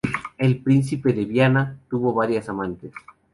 El príncipe de Viana tuvo varias amantes.